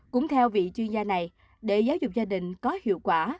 cũng theo vị chuyên gia này để giáo dục gia đình có hiệu quả